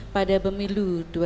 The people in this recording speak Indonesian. pada pemilu dua ribu sembilan belas